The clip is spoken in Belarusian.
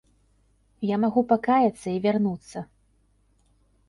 Я магу пакаяцца і вярнуцца.